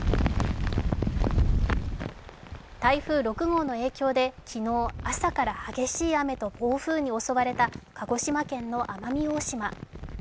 台風６号の影響で昨日、朝から激しい雨と暴風に襲われた鹿児島県の奄美大島。